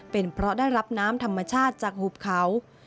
เป็นเพราะได้รับน้ำธรรมชาติจากหุบเขา